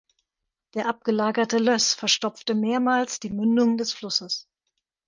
Der abgelagerte Löss verstopfte mehrmals die Mündungen des Flusses.